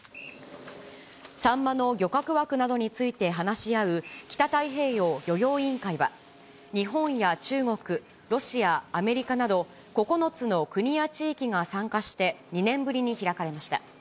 サンマの漁獲枠などについて話し合う北太平洋漁業委員会は、日本や中国、ロシア、アメリカなど９つの国や地域が参加して、２年ぶりに開かれました。